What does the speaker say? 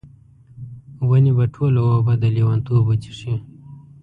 ونې به ټوله اوبه، د لیونتوب وچیښي